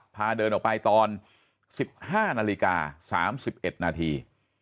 พาเดินออกไปตอน๑๕นาฬิกา๓๑นาที